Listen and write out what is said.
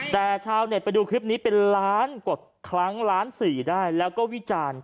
แต่ชาวเน็ตไปดูคลิปนี้เป็นล้านกว่าครั้งล้านสี่ได้แล้วก็วิจารณ์